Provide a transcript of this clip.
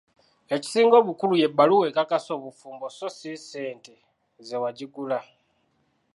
Ekisinga obukulu y'ebbaluwa ekakasa obufumbo so si ssente ze wagigula.